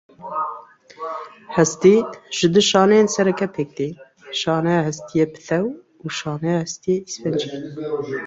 Hestî ji du şaneyên sereke pêk te, şaneya hestiyê pitew û şaneya hestiyê îsfencî.